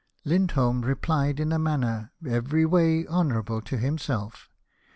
Lindholm rephed in a mamier every way honourable to himself.